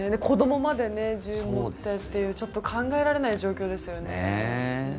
子どもまで銃を持ってというちょっと考えられない状況ですね。